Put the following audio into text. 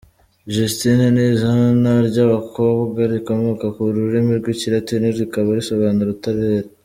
Justine ni izina ry’abakobwa rikomoka ku rurimi rw’Ikilatini rikaba risobanura “utabera”.